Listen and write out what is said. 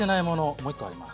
もう一個あります。